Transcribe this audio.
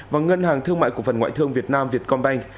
và ngân hàng thương mại cổ phần ngoại thương việt nam vietcombank